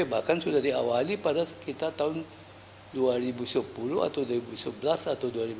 bahkan sudah diawali pada sekitar tahun dua ribu sepuluh atau dua ribu sebelas atau dua ribu dua puluh